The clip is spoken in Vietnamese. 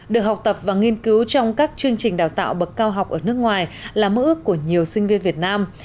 được học tập và nghiên cứu trong các chương trình đào tạo bậc cao học ở nước ngoài là mơ ước của nhiều sinh viên việt nam